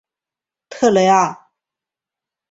特雷阿。